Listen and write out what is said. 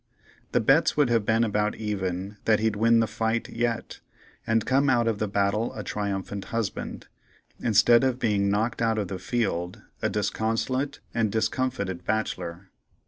The bets would have been about even that he'd win the fight yet, and come out of the battle a triumphant husband, instead of being knocked out of the field a disconsolate and discomfited bachelor.